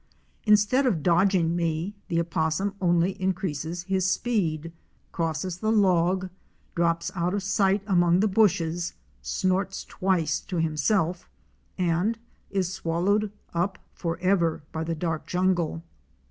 Instead of dodg ing me, the opossum only increases his speed, crosses the log, drops out of sight among the bushes, snorts twice to himself, and is swallowed up forever by the dark jungle.